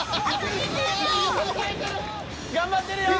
頑張ってるよ。